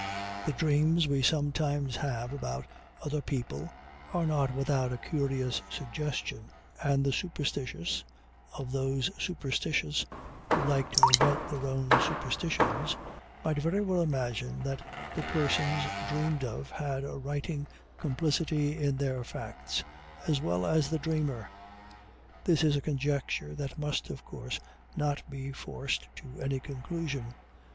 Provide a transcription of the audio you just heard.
The dreams we sometimes have about other people are not without a curious suggestion; and the superstitious (of those superstitious who like to invent their own superstitions) might very well imagine that the persons dreamed of had a witting complicity in their facts, as well as the dreamer. This is a conjecture that must, of course, not be forced to any conclusion.